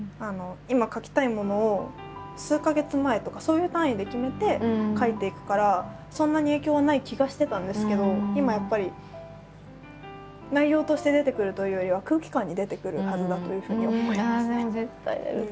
今書きたいものを数か月前とかそういう単位で決めて書いていくからそんなに影響はない気がしてたんですけど今やっぱり内容として出てくるというよりはああでも絶対出ると思う。